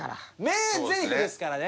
「名台詞」ですからね。